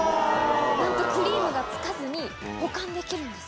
なんとクリームが付かずに保管できるんです。